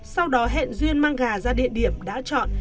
sau đó hẹn duyên mang gà ra địa điểm đã chọn